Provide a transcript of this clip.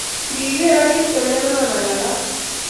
ng'i nger a kptemenan a ngalal